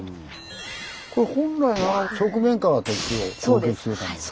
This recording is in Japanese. これ本来なら側面から敵を攻撃するためですね。